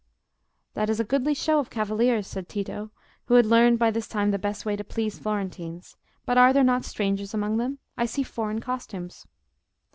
"That is a goodly show of cavaliers," said Tito, who had learned by this time the best way to please Florentines; "but are there not strangers among them? I see foreign costumes."